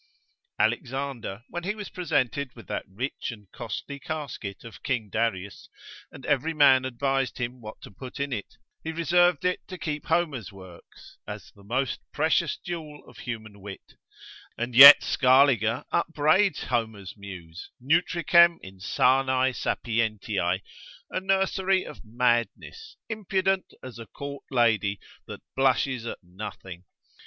Alexander when he was presented with that rich and costly casket of king Darius, and every man advised him what to put in it, he reserved it to keep Homer's works, as the most precious jewel of human wit, and yet Scaliger upbraids Homer's muse, Nutricem insanae sapientiae, a nursery of madness, impudent as a court lady, that blushes at nothing.